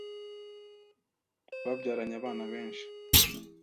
Babyaranye abana benshi.